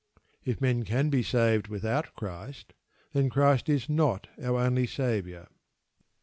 If men can be saved without Christ, then Christ is not our only Saviour.